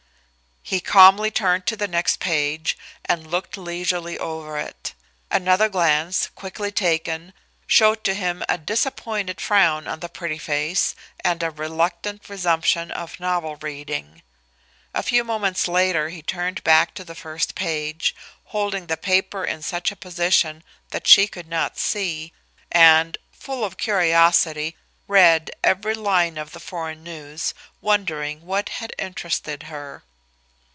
He calmly turned to the next page and looked leisurely over it. Another glance, quickly taken, showed to him a disappointed frown on the pretty face and a reluctant resumption of novel reading. A few moments later he turned back to the first page, holding the paper in such a position that she could not see, and, full of curiosity, read every line of the foreign news, wondering what had interested her.